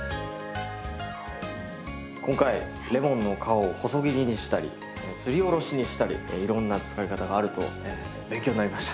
今回レモンの皮を細切りにしたりすりおろしにしたりいろんな使い方があると勉強になりました。